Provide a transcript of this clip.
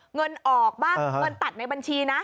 เงินออกบ้างเงินตัดในบัญชีนะ